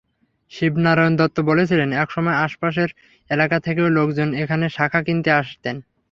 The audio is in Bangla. শিবনারায়ণ দত্ত বলছিলেন, একসময় আশপাশের এলাকা থেকেও লোকজন এখানে শাঁখা কিনতে আসতেন।